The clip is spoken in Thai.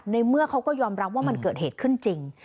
ในเมื่อเขาก็ยอมรับว่ามันเกิดเหตุขึ้นจริง